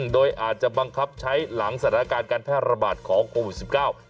โดยอาจจะบังคับใช้หลังสถานการณ์การแพร่ระบาดของโควิดสิบเก้า